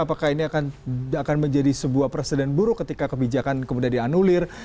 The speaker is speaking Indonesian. apakah ini akan menjadi sebuah presiden buruk ketika kebijakan kemudian dianulir